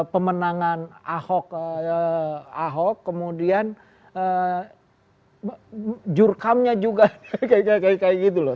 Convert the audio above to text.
pemenangan ahok kemudian jurkamnya juga kayak gitu loh